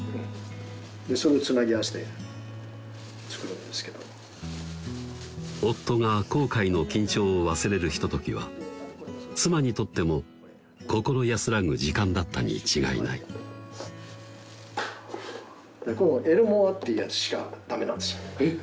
でそれをつなぎ合わせて作るんですけど夫が航海の緊張を忘れるひとときは妻にとっても心安らぐ時間だったに違いないこれもエルモアっていうやつしか駄目なんですよえっ！